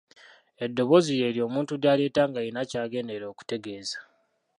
Eddoboozi lye lyo omuntu ly'aleeta ng'alina ky'agenderera okutegeeza.